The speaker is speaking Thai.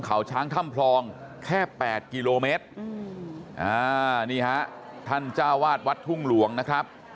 เขาช้างถ้ำพลองแค่แปดกิโลเมตรนี่ฮะท่านเจ้าวาดวัดทุ่งหลวงนะครับ